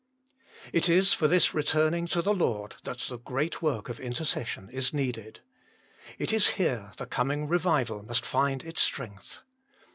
It IB for this returning to the Lord that the great work of intercession is needed. It is here the coming revival must find its strength.